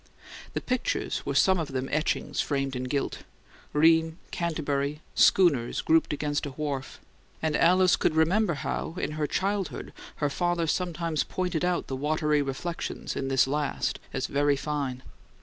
The pictures were some of them etchings framed in gilt: Rheims, Canterbury, schooners grouped against a wharf; and Alice could remember how, in her childhood, her father sometimes pointed out the watery reflections in this last as very fine.